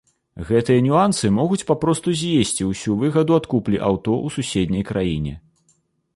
Гэтыя нюансы могуць папросту з'есці ўсю выгаду ад куплі аўто ў суседняй краіне.